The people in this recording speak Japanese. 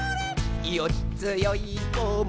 「よっつよいこも